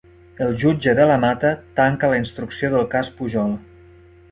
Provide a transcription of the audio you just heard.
El jutge De la Mata tanca la instrucció del cas Pujol